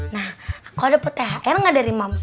nah aku dapet thr gak dari mams